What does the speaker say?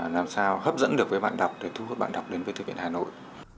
làm sao hấp dẫn được với bạn đọc để thu hút bạn đọc đến với thư viện hà nội